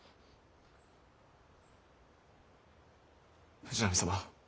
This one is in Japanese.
藤波様。